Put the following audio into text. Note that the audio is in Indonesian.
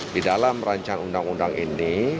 di dalam rancangan undang undang ini